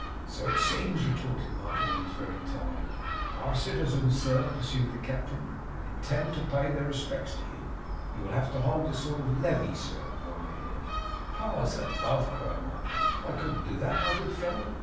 'So it seems,' retorted Martin, who was very tired. 'Our citizens, sir,' pursued the Captain, 'intend to pay their respects to you. You will have to hold a sort of le vee, sir, while you're here.' 'Powers above!' cried Martin, 'I couldn't do that, my good fellow!